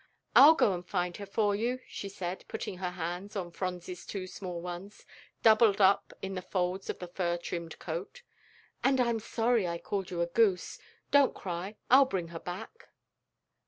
"I'll go and find her for you," she said, putting her hands on Phronsie's two small ones, doubled up in the folds of the fur trimmed coat. "And I'm sorry I called you a goose. Don't cry, I'll bring her back."